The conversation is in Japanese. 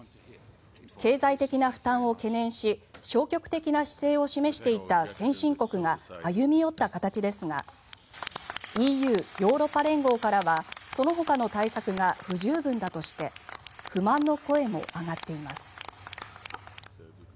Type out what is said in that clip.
経済的な負担を懸念し消極的な姿勢を示していた先進国が歩み寄った形ですがＥＵ・ヨーロッパ連合からはそのほかの対策が不十分だとして不満の声も上がっています。